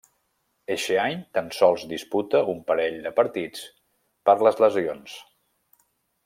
Eixe any, tan sols disputa un parell de partits per les lesions.